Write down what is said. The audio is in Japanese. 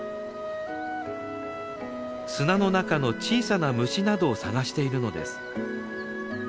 砂の中の小さな虫などを探しているのです。